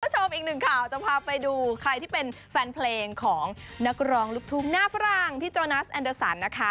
คุณผู้ชมอีกหนึ่งข่าวจะพาไปดูใครที่เป็นแฟนเพลงของนักร้องลูกทุ่งหน้าฝรั่งพี่โจนัสแอนเดอร์สันนะคะ